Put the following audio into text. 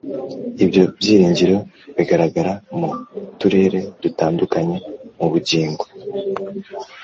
ibyo byiringiro bigaragara mu turere dutandukanye mu bugingo